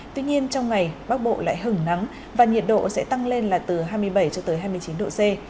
tuy nhiên trong ngày bắc bộ lại hứng nắng và nhiệt độ sẽ tăng lên là từ hai mươi bảy cho tới hai mươi chín độ c